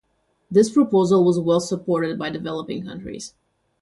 This proposal was well supported by developing countries.